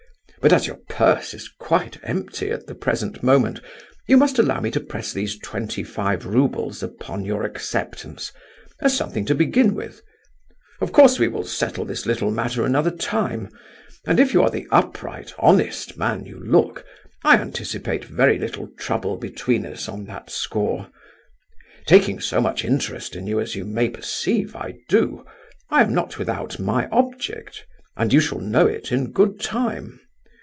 But as your purse is quite empty at the present moment, you must allow me to press these twenty five roubles upon your acceptance, as something to begin with. Of course we will settle this little matter another time, and if you are the upright, honest man you look, I anticipate very little trouble between us on that score. Taking so much interest in you as you may perceive I do, I am not without my object, and you shall know it in good time.